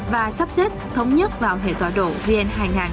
và sắp xếp thống nhất vào hệ tọa độ vn hai nghìn